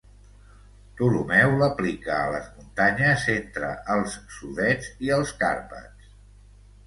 Ptolemeu l'aplica a les muntanyes entre els Sudets i els Carpats.